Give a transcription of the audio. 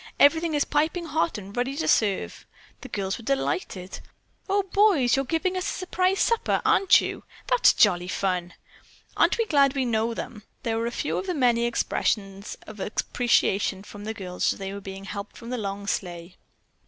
"Everything is piping hot and ready to serve." The girls were delighted. "Oh, boys, you're giving us a surprise supper, aren't you?" "That's jolly fun!" "Aren't we glad we know them!" were a few of the many expressions of appreciation from the girls as they were helped from the long sleigh.